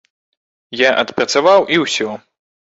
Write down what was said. Я адпрацаваў, і ўсё.